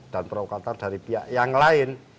provokator dari pihak yang lain